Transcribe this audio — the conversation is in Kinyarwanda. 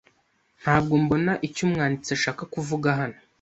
Ntabwo mbona icyo umwanditsi ashaka kuvuga hano.